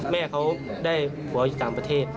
แม่เขาได้ผัวอยู่ต่างประเทศ